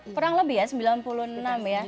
kurang lebih ya sembilan puluh enam ya